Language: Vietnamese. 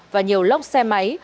và nhiều lốc xe máy